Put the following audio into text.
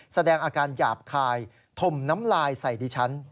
แสดงอาการหยาบคายถมน้ำลายใส่ดิฉัน